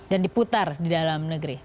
dan diputar di dalam negeri